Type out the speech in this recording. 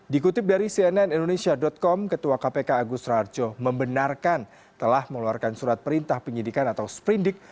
dikutip dari cnn indonesia com ketua kpk agus rarjo membenarkan telah mengeluarkan surat perintah penyidikan atau sprindik